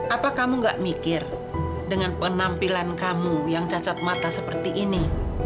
apa kamu gak mikir dengan penampilan kamu yang cacat mata seperti ini